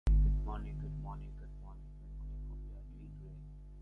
The unit took part in several failed attempts to relieve Budapest, codenamed Operation Konrad.